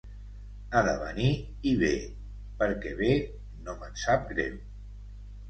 Ha de venir, i ve, perquè ve, no me'n sap greu